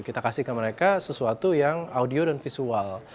kita kasih ke mereka sesuatu yang audio dan visual